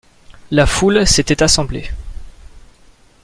La foule s'était assemblée.